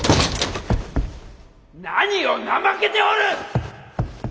何を怠けておる！